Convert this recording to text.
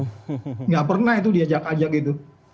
tidak pernah itu diajak ajak gitu